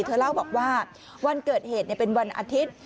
เธอเล่าบอกว่าวันเกิดเหตุเป็นวันอาทิตย์